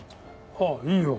ああいいよ。